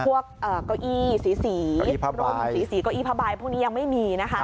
พวกเก้าอี้สีเก้าอี้พระบายพวกนี้ยังไม่มี